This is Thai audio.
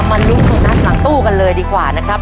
ทำมันลุ้มของนักหลังตู้กันเลยดีกว่านะครับ